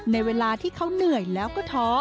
เวลาที่เขาเหนื่อยแล้วก็ท้อ